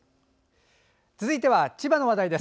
続いては千葉の話題です。